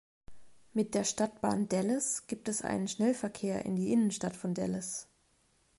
Mit der Stadtbahn Dallas gibt es einen Schnellverkehr in die Innenstadt von Dallas.